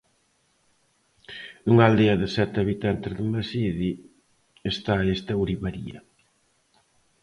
Nunha aldea de sete habitantes de Maside está esta ourivaría.